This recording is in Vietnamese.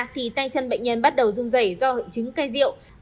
thì tay chân bệnh nhân bắt đầu rung dày do hội chứng cây rượu